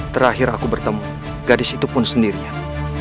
terakhir aku bertemu gadis itu pun sendirian